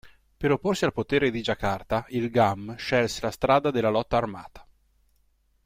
Per opporsi al potere di Giacarta il Gam scelse la strada della lotta armata.